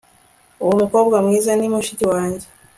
uwo mukobwa mwiza ni mushiki wanjye